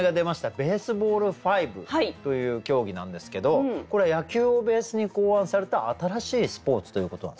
Ｂａｓｅｂａｌｌ５という競技なんですけどこれ野球をベースに考案された新しいスポーツということなんですか？